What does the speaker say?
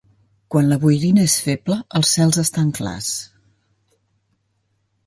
Quan la boirina és feble, els cels estan clars.